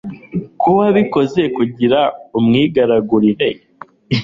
ko wabikoze kugira umwigarurire!!